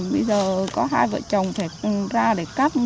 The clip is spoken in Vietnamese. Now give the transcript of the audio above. bây giờ có hai vợ chồng phải ra để cắt